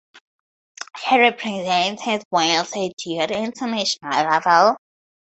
He represented Wales at youth international level.